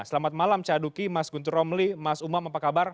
selamat malam caduki mas guntur romli mas umam apa kabar